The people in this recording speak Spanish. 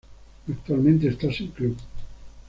Actualmente esta sin club.